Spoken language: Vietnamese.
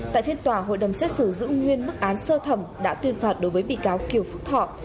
tại phiên tòa hội đầm xét xử giữ nguyên bức án sơ thẩm đã tuyên phạt đối với bị cáo kiều phước thọ